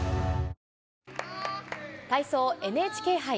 体操、ＮＨＫ杯。